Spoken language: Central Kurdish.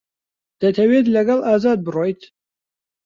دەتەوێت لەگەڵ ئازاد بڕۆیت؟